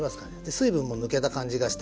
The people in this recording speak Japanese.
水分も抜けた感じがして。